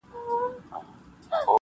خوب ته راتللې او پر زړه مي اورېدلې اشنا-